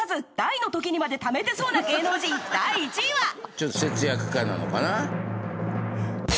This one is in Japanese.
ちょっと節約家なのかな。